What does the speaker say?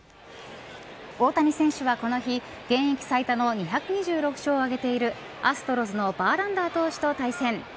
大谷選手は、この日現役最多の２２６勝を挙げているアストロズのバーランダー投手と対戦。